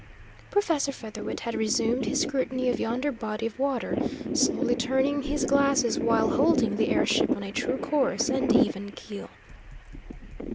Professor Featherwit had resumed his scrutiny of yonder body of water, slowly turning his glasses while holding the air ship on a true course and even keel.